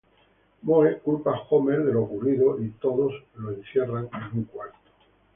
Moe culpa a Homer de lo ocurrido, y todos lo encierran en un cuarto.